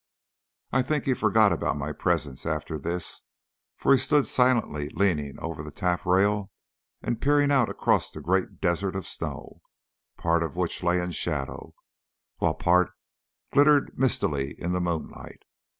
I think he forgot about my presence after this, for he stood silently leaning over the taffrail, and peering out across the great desert of snow, part of which lay in shadow, while part glittered mistily in the moonlight.